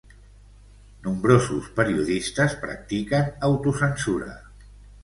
Nombrosos periodistes practiquen autocensura.